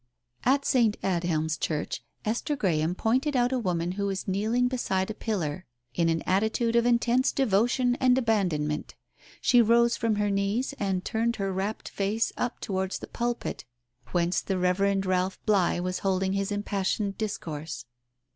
" At St. Adhelm's Church, Esther Graham pointed out a woman who was kneeling beside a pillar in an attitude of intense devotion and abandonment. She rose from her knees, and turned her rapt face up towards the pulpit whence the Reverend Ralph Bligh was holding his im passioned discourse.